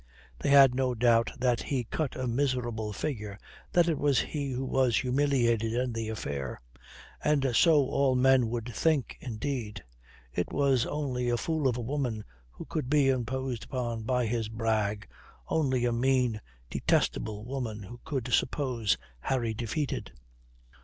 They had no doubt that he cut a miserable figure, that it was he who was humiliated in the affair. And so all men would think, indeed. It was only a fool of a woman who could be imposed upon by his brag, only a mean, detestable woman who could suppose Harry defeated.